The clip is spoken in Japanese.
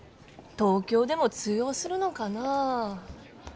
東京でも通用するのかなあ。